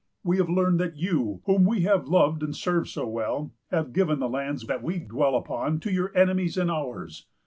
We have learned that you, whom we have loved and served so well, have given the lands that we dwell upon to your enemies and ours.